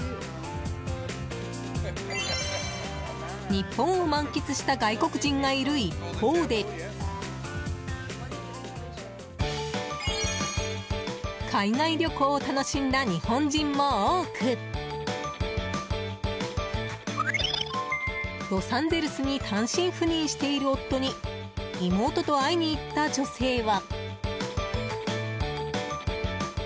日本を満喫した外国人がいる一方で海外旅行を楽しんだ日本人も多くロサンゼルスに単身赴任している夫に妹と会いに行った女性は。